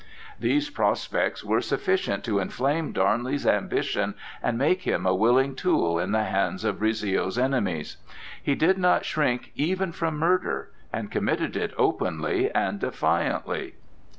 These prospects were sufficient to inflame Darnley's ambition and make him a willing tool in the hands of Rizzio's enemies. He did not shrink even from murder, and committed it openly and defiantly.